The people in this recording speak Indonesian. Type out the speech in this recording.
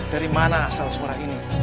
dari mana asal suara ini